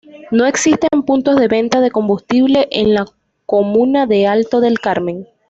No existen puntos de venta de combustible en la comuna de Alto del Carmen.